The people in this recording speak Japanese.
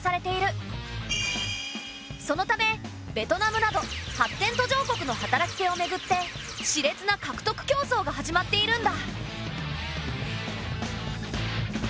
そのためベトナムなど発展途上国の働き手をめぐってしれつな獲得競争が始まっているんだ。